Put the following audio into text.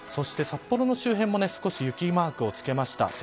札幌の周辺も少し雪マークをつけました。